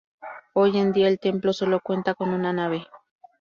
Hoy en día el templo solo cuenta con una nave.